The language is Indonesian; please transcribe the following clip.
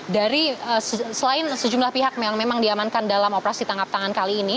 dari selain sejumlah pihak yang memang diamankan dalam operasi tangkap tangan kali ini